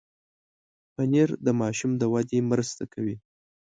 پنېر د ماشوم د ودې مرسته کوي.